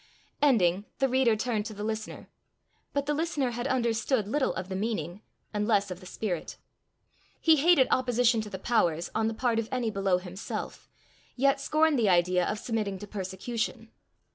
Ending, the reader turned to the listener. But the listener had understood little of the meaning, and less of the spirit. He hated opposition to the powers on the part of any below himself, yet scorned the idea of submitting to persecution.